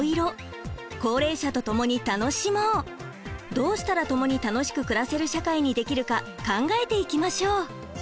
どうしたらともに楽しく暮らせる社会にできるか考えていきましょう！